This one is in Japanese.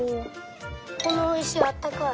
このいしあったかい。